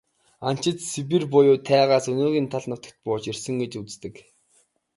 Анчид Сибирь буюу тайгаас өнөөгийн тал нутагт бууж ирсэн гэж үздэг.